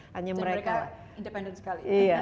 dan mereka independen sekali